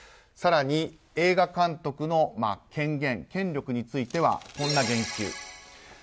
更に、映画監督の権力についてはこんな言及。